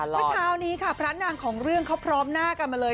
เมื่อเช้านี้ค่ะพระนางของเรื่องเขาพร้อมหน้ากันมาเลย